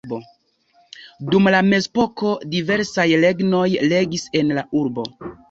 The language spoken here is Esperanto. Dum la mezepoko diversaj regnoj regis en la urbo.